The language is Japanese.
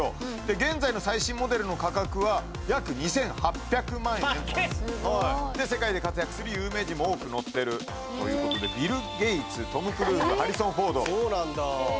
現在の最新モデルの価格は約２８００万円と高え世界で活躍する有名人も多く乗ってるということでビル・ゲイツトム・クルーズハリソン・フォードそうなんだ